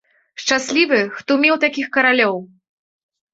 Шчаслівы, хто меў такіх каралёў!